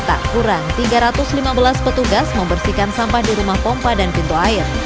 tak kurang tiga ratus lima belas petugas membersihkan sampah di rumah pompa dan pintu air